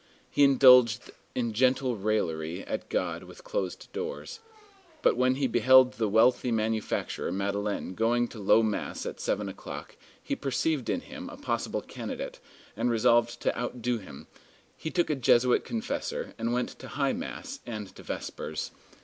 He indulged in gentle raillery at God with closed doors. But when he beheld the wealthy manufacturer Madeleine going to low mass at seven o'clock, he perceived in him a possible candidate, and resolved to outdo him; he took a Jesuit confessor, and went to high mass and to vespers.